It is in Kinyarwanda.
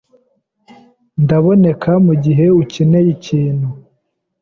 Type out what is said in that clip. Ndaboneka mugihe ukeneye ikintu.